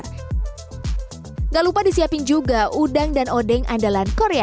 tidak lupa disiapin juga udang dan odeng andalan korea